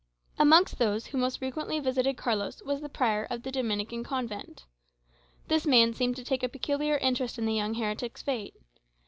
Amongst those who most frequently visited Carlos was the prior of the Dominican convent. This man seemed to take a peculiar interest in the young heretic's fate.